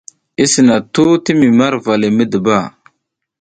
I sina tuh ti mi marva le muduba.